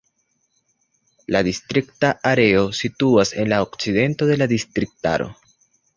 La distrikta areo situas en la okcidento de la distriktaro.